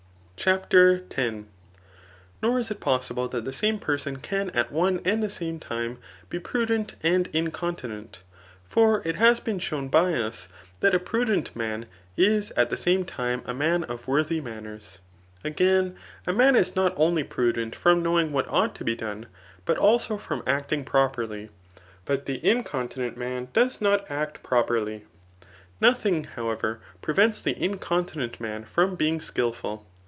Digitized by Google CftAT. X. ETHIC8; 273 CHAPTER X; No ft is it possible that the same person can at one axK^ die same time be prudent and incontin^t ; for it has been shown by us that a prudent man, is at the same time a man of worthy manoers. Agsun, a man is not only pru^^ dent from knowing what ought to be done, but also froni acting properly ; but the incontinent man does not act properly. Nothing, however, prevents the incontinent man from being skilful.